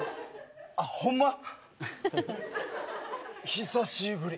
久しぶり。